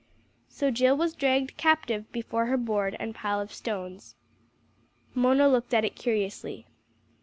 So Jill was dragged captive before her board and pile of stones. Mona looked at it curiously.